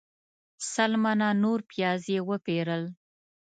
سل منه نور پیاز یې وپیرل.